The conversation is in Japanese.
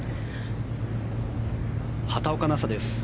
畑岡奈紗です